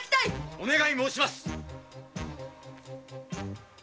お願い申します。